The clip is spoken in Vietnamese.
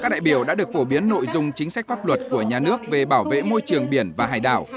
các đại biểu đã được phổ biến nội dung chính sách pháp luật của nhà nước về bảo vệ môi trường biển và hải đảo